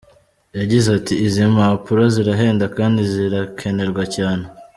Yagize ati “Izi mpapuro zirahenda kandi zirakenerwa cyane.